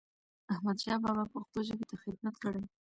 احمدشاه بابا پښتو ژبې ته خدمت کړی.